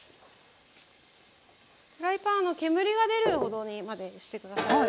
フライパンは煙が出るほどまで熱して下さい。